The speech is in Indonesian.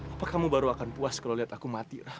apa kamu baru akan puas kalau lihat aku mati